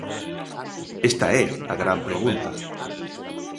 Esta é a gran pregunta.